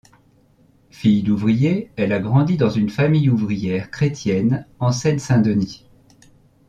Fille d'ouvrier, elle a grandi dans une famille ouvrière chrétienne en Seine-Saint-Denis.